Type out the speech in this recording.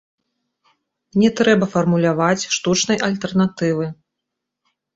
Не трэба фармуляваць штучнай альтэрнатывы.